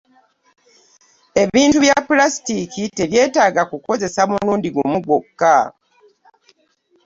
Ebintu bya Pulasitiiki tebyetaaga kukozesa mulundi gumu gwokka.